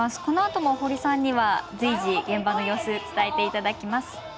このあとも堀さんには随時、現場の様子伝えていただきます。